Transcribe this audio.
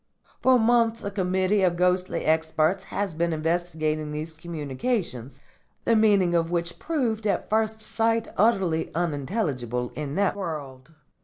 For months a committee of ghostly experts has been investigating these communications, the meaning of which proved at first sight utterly unintelligible in that world.